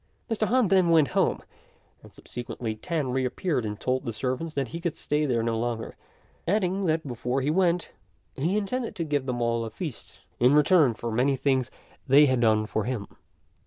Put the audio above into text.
Mr. Han then went home, and subsequently Tan reappeared and told the servants that he could stay there no longer, adding that before he went he intended to give them all a feast in return for many things they had done for him.